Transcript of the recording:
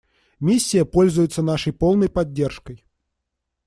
Миссия пользуется нашей полной поддержкой.